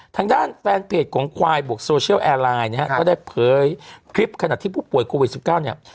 ทางด้านแฟนเพจของควายบวกโซเชียลแอร์ไลน์นะฮะก็ได้เผยคลิปขณะที่ผู้ป่วยโควิด๑๙เนี่ย